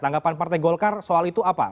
tanggapan partai golkar soal itu apa